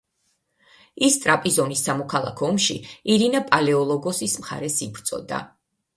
ის ტრაპიზონის სამოქალაქო ომში ირინა პალეოლოგოსის მხარეს იბრძოდა.